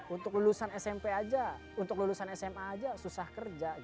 untuk lulusan smp aja untuk lulusan sma aja susah kerja